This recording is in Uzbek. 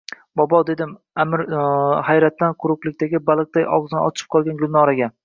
— Bobom, — dedi Аmir hayratdan quruqlikdagi baliqday ogʼzini ochib qolgan Gulnoraga.